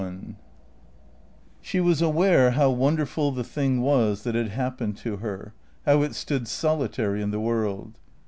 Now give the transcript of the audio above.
XLI SHE was aware how wonderful the thing was that had hap pened to her, how it stood solitary in the world.